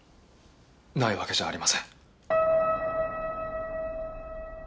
ないわけじゃありません。